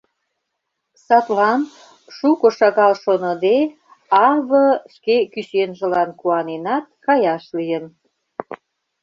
Садлан, шуко-шагал шоныде, А.В. шке кӱсенжылан куаненат, каяш лийын.